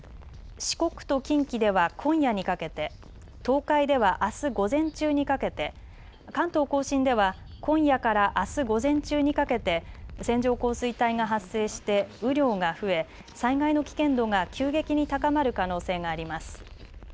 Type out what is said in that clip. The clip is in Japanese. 四国と近畿では今夜にかけて東海ではあす午前中にかけて関東甲信では今夜からあす午前中にかけて線状降水帯が発生して雨量が増え災害の危険度が急激に高まる可能性があります。